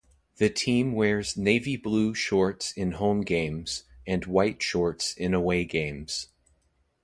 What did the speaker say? The team wears navy-blue shorts in home games, and white shorts in away games.